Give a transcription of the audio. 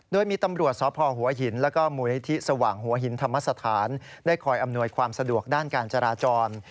โดยมีตำรวจสพหัวหินแล้วก็มูลนิธิสว่างหัวหินธรรมสถานได้คอยอำนวยความสะดวกด้านการจราจร